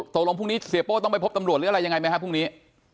พรุ่งนี้เสียโป้ต้องไปพบตำรวจหรืออะไรยังไงไหมครับพรุ่งนี้